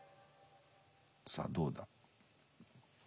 さあどうだ？